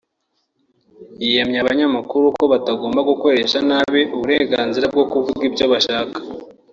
yiyamye abanyamakuru ko batagomba gukoresha nabi uburenganzira bwo kuvuga ibyo bashatse